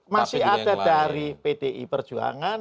masih ada dari pdi perjuangan